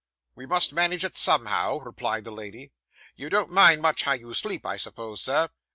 'We must manage it somehow,' replied the lady. 'You don't much mind how you sleep, I suppose, sir?